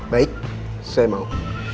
baik saya mau